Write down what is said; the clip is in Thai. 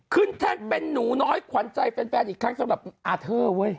แทนเป็นหนูน้อยขวัญใจแฟนอีกครั้งสำหรับอาเทอร์เว้ย